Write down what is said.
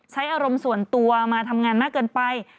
ใช้อารมณ์ส่วนตัวมาทำงานมากเกินไป